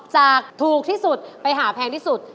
จากถูกที่สุดไปหาแพงที่สุด